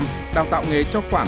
công tác đào tạo nghề tại nông thôn